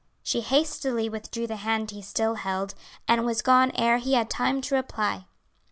She hastily withdrew the hand he still held, and was gone ere he had time to reply.